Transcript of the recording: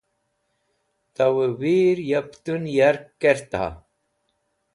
Tawẽ wir ya pẽtũn yark kerta?